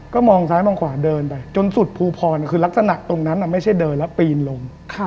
ก็มองซ้ายมองขวาเดินไปจนสุดภูพรคือลักษณะตรงนั้นไม่ใช่เดินแล้วปีนลง